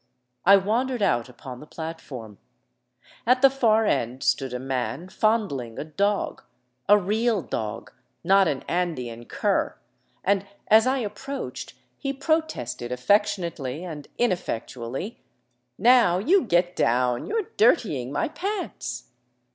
I wandered out upon the platform. At the far end stood a man fondling a dog, a real dog, not 314 THE ROOF OF PERU an Andean cur, and as I approacheci he protested affectionately and in Iff ectually :*' Now you get down ; you 're dirtying my pants."